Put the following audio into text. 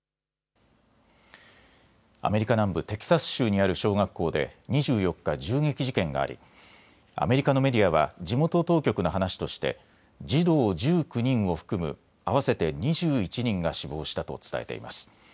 アメリカ南部、テキサス州にある小学校で２４日、銃撃事件がありアメリカのメディアは地元当局の話として児童１９人を含む合わせて２１人が死亡したと伝えています。